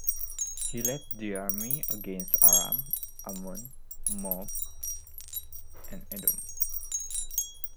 He led the army against Aram, Ammon, Moab and Edom.